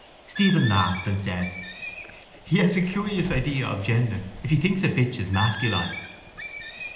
Stephen laughed and said: —He has a curious idea of genders if he thinks a bitch is masculine.